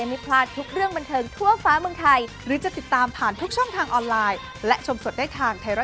บันเทิงไทยรัฐ